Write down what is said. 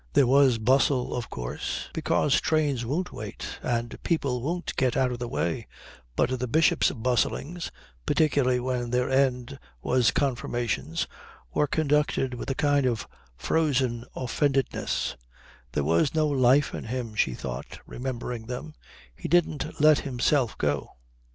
There was bustle, of course, because trains won't wait and people won't get out of the way, but the Bishop's bustlings, particularly when their end was confirmations, were conducted with a kind of frozen offendedness; there was no life in him, she thought, remembering them, he didn't let himself go.